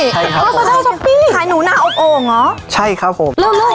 ใช่ครับลาปาด้าช็อปปี้ขายหนูนาอบโอ่งเหรอใช่ครับเริ่มเรื่อย